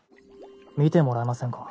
見てもらえませんか？